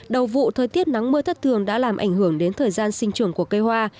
đầu vụ thời tiết nắng mưa thất thường đã làm ảnh hưởng đến thời gian sinh trường của cây hoa